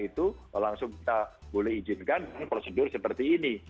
itu langsung kita boleh izinkan dengan prosedur seperti ini